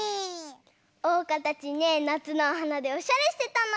おうかたちねなつのおはなでおしゃれしてたの！